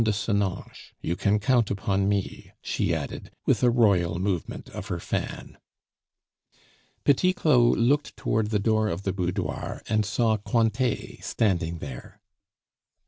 de Senonches, you can count upon me," she added, with a royal movement of her fan. Petit Claud looked toward the door of the boudoir, and saw Cointet standing there.